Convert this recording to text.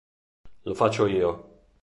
Lo faccio io!